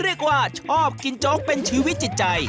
เรียกว่าชอบกินโจ๊กเป็นชีวิตจิตใจ